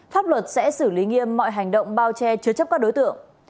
pháp luật sẽ xử lý nghiêm mọi hành động bao che chứa chấp các đối tượng